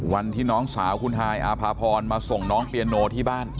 วันที่น้องสาวคุณฮายอาภาพรมาส่งน้องเปียโนที่บ้าน